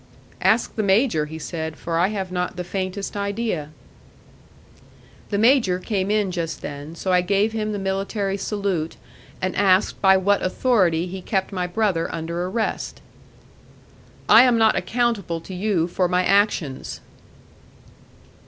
"Ask the major," he said, "for I have not the faintest idea." The major came in just then, so I gave him the military salute, and asked by what authority he kept my brother under arrest. "I am not accountable to you for my actions."